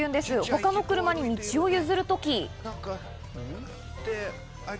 他の車に道を譲る時。